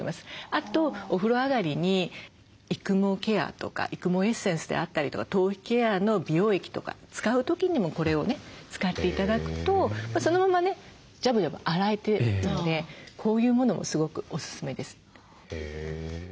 あとお風呂上がりに育毛ケアとか育毛エッセンスであったりとか頭皮ケアの美容液とか使う時にもこれをね使って頂くとそのままねジャブジャブ洗えるのでこういうものもすごくおすすめです。